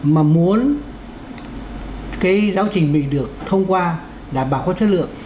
mà muốn cái giáo trình mình được thông qua đảm bảo có chất lượng